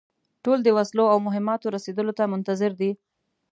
ټول د وسلو او مهماتو رسېدلو ته منتظر دي.